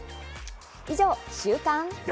以上、週刊。